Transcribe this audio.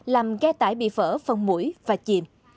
làm ghe tải bị phở phần mũi và chìm